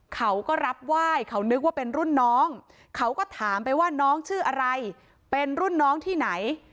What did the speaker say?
เขาก็รับไหว้เขานึกว่าเป็นรุ่นน้องเขาก็ถามไปว่าน้องชื่ออะไรเป็นรุ่นน้องที่ไหน